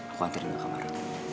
aku antarin kamu ke kamar